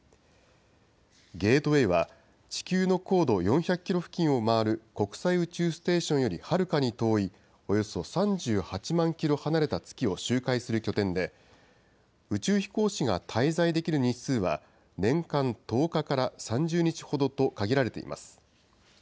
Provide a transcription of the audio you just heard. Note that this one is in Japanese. ゲートウェイは、地球の高度４００キロ付近を回る国際宇宙ステーションよりはるかに遠い、およそ３８万キロ離れた月を周回する拠点で、宇宙飛行士が滞在できる日数は年間１０日から３０日ほどと限られています。